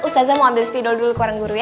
ustaza mau ambil spidol dulu ke orang guru ya